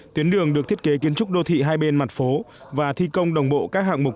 tuyến đường được thiết kế kiến trúc đô thị hai bên mặt phố và thi công đồng bộ các hạng mục